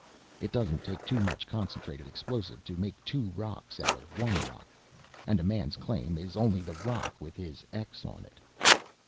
It doesn't take too much concentrated explosive to make two rocks out of one rock, and a man's claim is only the rock with his X on it.